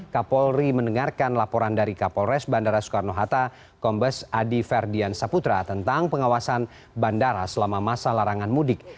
kapolri mendengarkan laporan dari kapolres bandara soekarno hatta kombes adi ferdian saputra tentang pengawasan bandara selama masa larangan mudik